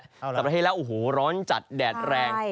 สัปดาห์ที่เราแล้วโอ้โหร้อนจัดแดดแรง